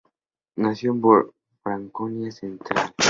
Nació en Burk, Franconia Central.